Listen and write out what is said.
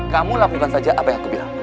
kamu lakukan saja apa yang aku bilang